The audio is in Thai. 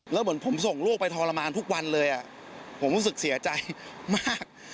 แล้วเหมือนผมส่งลูกไปทรมานทุกวันเลยผมรู้สึกเสียใจมาก